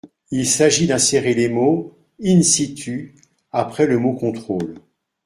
Il s’agit d’insérer les mots :« in situ » après le mot :« contrôle ».